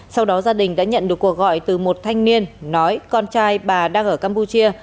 sau đó gia đình đã nhận được cuộc gọi từ một thanh niên nói con trai bà đang ở campuchia